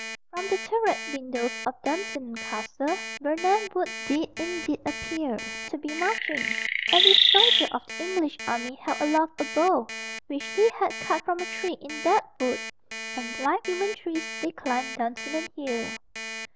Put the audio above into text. From the turret windows of Dunsinane Castle, Birnam Wood did indeed appear to be marching. Every soldier of the English army held aloft a bough which he had cut from a tree in that wood, and like human trees they climbed Dunsinane Hill.